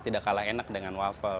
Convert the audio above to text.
tidak kalah enak dengan waffle